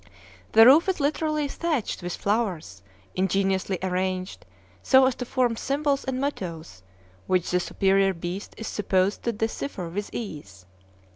The roof is literally thatched with flowers ingeniously arranged so as to form symbols and mottoes, which the superior beast is supposed to decipher with ease.